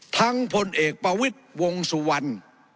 ทั้งพลเอกปวิทย์วงสุวรรณ